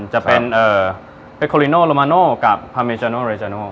จะเป็นเปคโคลิโนโลมาโน่กับพาเมจาโนเรจาโน